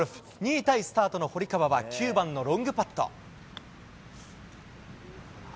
２位タイスタートの堀川は９番のロングパット。